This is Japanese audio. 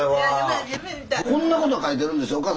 こんなこと書いてるんですよ